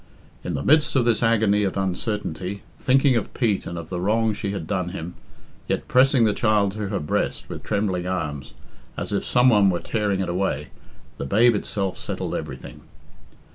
In the midst of this agony of uncertainty, thinking of Pete and of the wrong she had done him, yet pressing the child to her breast with trembling arms, as if some one were tearing it away, the babe itself settled everything.